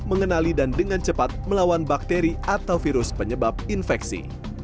mengenali dan dengan cepat melawan bakteri atau virus penyebab infeksi